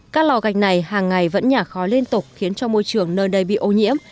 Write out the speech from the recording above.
các lò gạch này hàng ngày vẫn nhả khói liên tục khiến cho môi trường nơi đây bị ô nhiễm